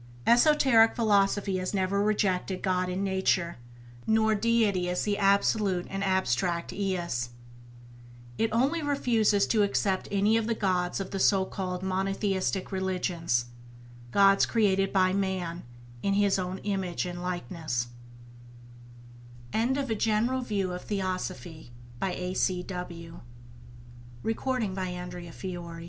Esoteric philosophy has never rejected God in Nature, nor Deity as the absolute and abstract eus. It only refuses to accept any of the gods of the so called monotheistic religions — gods created by man in his own image and likeness ΔΔ Go to Top of this page Back to our On Line Docume